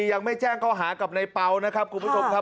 ยังไม่แจ้งข้อหากับในเปล่านะครับคุณผู้ชมครับ